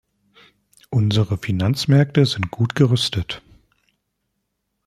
Unsere Finanzmärkte sind gut gerüstet.